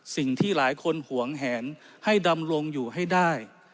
สิ่งที่หลายคนหวงแหนให้ดำรงอยู่ให้ได้